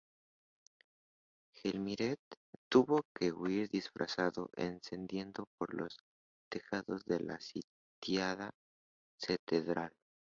Gelmírez tuvo que huir disfrazado, ascendiendo por los tejados de la sitiada catedral.